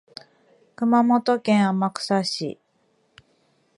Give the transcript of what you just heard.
熊本県天草市